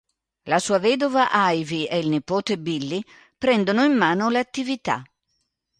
La sua vedova Ivy e il nipote Billy prendono in mano l'attività.